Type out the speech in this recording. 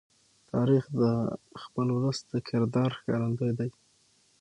تاریخ د خپل ولس د کردار ښکارندوی دی.